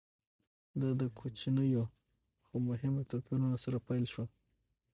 دا د کوچنیو خو مهمو توپیرونو سره پیل شوه